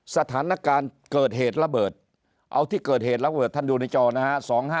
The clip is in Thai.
สถานการณ์เกิดเหตุระเบิดเอาที่เกิดเหตุระเบิดท่านดูในจอนะฮะ